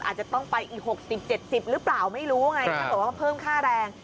อาจจะต้องไปอีก๖๐๗๐หรือเปล่าไม่รู้ไงถ้าเกิดว่าเพิ่มค่าแรง